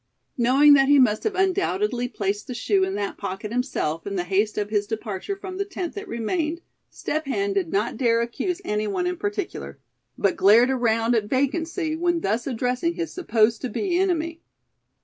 Knowing that he must have undoubtedly placed the shoe in that pocket himself in the haste of his departure from the tent that remained, Step Hen did not dare accuse any one in particular; but glared around at vacancy when thus addressing his supposed to be enemy.